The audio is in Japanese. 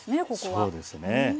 そうですね。